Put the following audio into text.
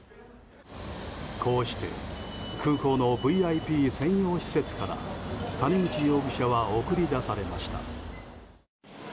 こうして空港のＶＩＰ専用施設から谷口容疑者は送り出されました。